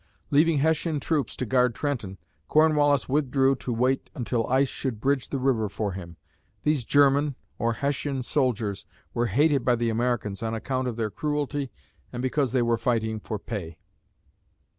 Leaving Hessian troops to guard Trenton, Cornwallis withdrew to wait until ice should bridge the river for him. These German or Hessian soldiers were hated by the Americans on account of their cruelty and because they were fighting for pay.